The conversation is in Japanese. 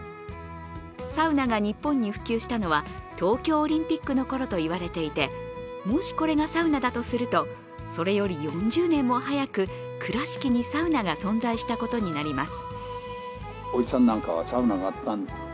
サウナが日本に普及したのは東京オリンピックのころと言われていてもしこれがサウナだとするとそれより４０年も早く倉敷にサウナが存在したことになります。